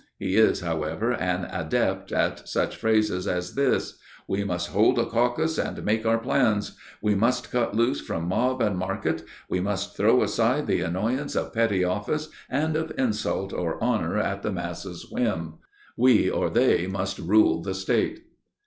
He is, however, an adept at such phrases as this: "We must hold a caucus and make our plans; we must cut loose from mob and market; we must throw aside the annoyance of petty office and of insult or honor at the masses' whim; we or they must rule the state."